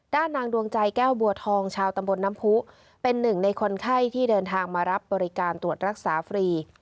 นางดวงใจแก้วบัวทองชาวตำบลน้ำผู้เป็นหนึ่งในคนไข้ที่เดินทางมารับบริการตรวจรักษาฟรี